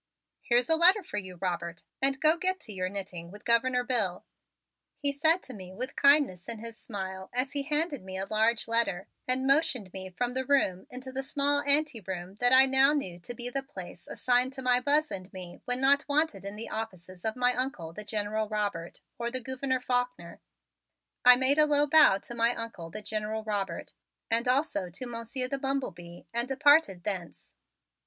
"Here's a letter for you, Robert, and go get to your knitting with Governor Bill," he said to me with kindness in his smile as he handed me a large letter and motioned me from the room into the small anteroom that I now knew to be the place assigned to my Buzz and me when not wanted in the offices of my Uncle, the General Robert, or the Gouverneur Faulkner. I made a low bow to my Uncle, the General Robert, and also to Monsieur the Bumble Bee and departed thence.